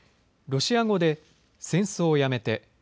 ロシア語で戦争をやめて。